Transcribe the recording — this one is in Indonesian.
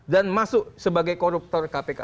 dan masuk sebagai koruptor kpk